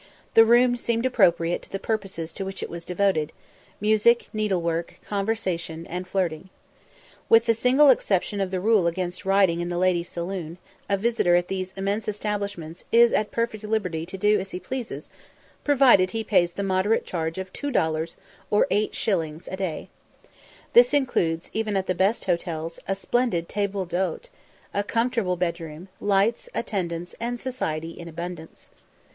The room seemed appropriate to the purposes to which it was devoted music, needlework, conversation, and flirting. With the single exception of the rule against writing in the ladies' saloon, a visitor at these immense establishments is at perfect liberty to do as he pleases, provided he pays the moderate charge of two dollars, or 8_s._ a day. This includes, even at the best hotels, a splendid table d'hóte, a comfortable bedroom, lights, attendance, and society in abundance.